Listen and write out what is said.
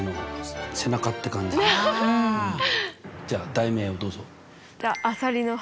じゃあ題名をどうぞ。